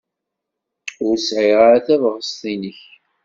Ur sɛiɣ ara tabɣest-nnek.